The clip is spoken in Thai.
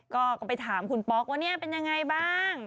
ก็ไปถามคุณป๊อกว่าเนี่ยเป็นยังไงบ้าง